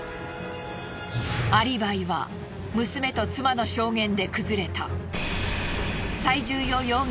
アリバイは娘と妻の証言で崩れた。